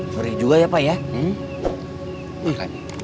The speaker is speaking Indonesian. gurih juga ya pak ya